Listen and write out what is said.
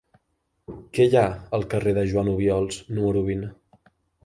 Què hi ha al carrer de Joan Obiols número vint?